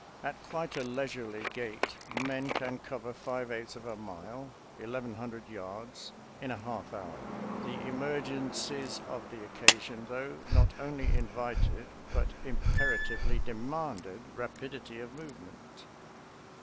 At quite a leisurely gait men can cover five eighths of a mile — eleven hundred yards — in a half hour. The emergen cies of the occasion, though, not only invited but imperatively demanded rapidity of move ment.